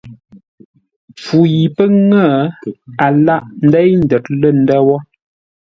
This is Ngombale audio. Mpfu yi pə́ ŋə́, a lâghʼ ńdéi ńdə̌r lə̂ ndə̂ wə̂.